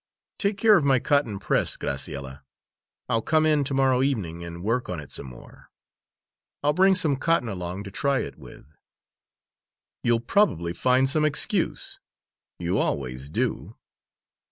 "Take care of my cotton press, Graciella; I'll come in to morrow evening and work on it some more. I'll bring some cotton along to try it with." "You'll probably find some excuse you always do."